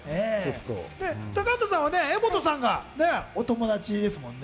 高畑さんは柄本さんがお友達ですもんね。